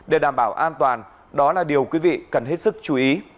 để đảm bảo an toàn đó là điều quý vị cần hết sức chú ý